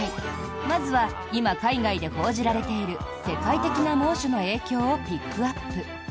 まずは今、海外で報じられている世界的な猛暑の影響をピックアップ。